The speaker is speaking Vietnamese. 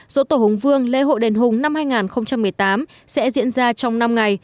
dỗ tổ hùng vương lễ hội đền hùng năm hai nghìn một mươi tám sẽ diễn ra trong năm ngày